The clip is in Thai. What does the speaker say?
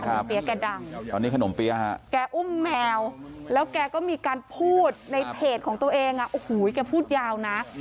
ขนมเปี๊ยะแกดังแกอุ้มแมวแล้วแกก็มีการพูดในเพจของตัวเองโอ้โหแกพูดยาวนะ